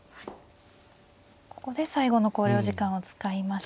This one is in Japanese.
ここで最後の考慮時間を使いました。